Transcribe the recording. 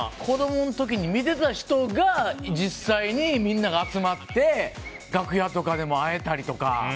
子供の時に見てた人が実際に、みんなが集まって楽屋とかでも会えたりとか。